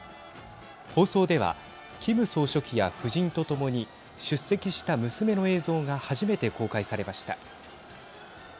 放送ではキム総書記や夫人と共に出席した娘の映像が初めて公開されました。